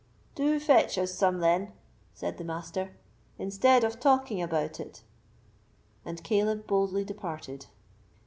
"Do fetch us some then," said the master, "instead of talking about it." And Caleb boldly departed.